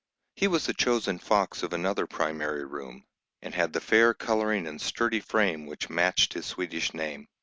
He was the chosen "fox" of another primary room, and had the fair colouring and sturdy frame which matched his Swedish name.